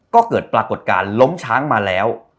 ก็เกิดปรากฏการณ์ล้มช้างมาแล้ว